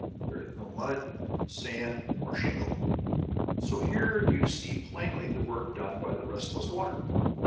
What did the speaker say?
There is no mud, sand, or shingle, so here you see plainly the work done by the restless water.